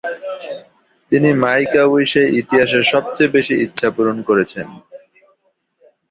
তিনি মেইক-আ-উইশে ইতিহাসের সবচেয়ে বেশি ইচ্ছা পূরণ করেছেন।